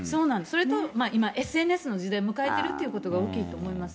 それと今、ＳＮＳの時代を迎えているっていうことが大きいと思います。